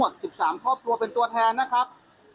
จากทั้งหมดนะครับ